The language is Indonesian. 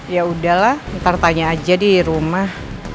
yaudah lah ntar tanya aja di rumah